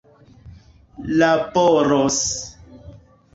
laboros